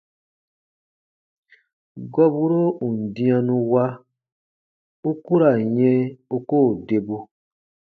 Gɔburo ù n dĩanu wa, u ku ra n yɛ̃ u koo debu.